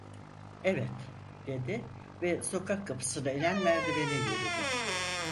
"Evet." dedi ve sokak kapısına inen merdivene yürüdü.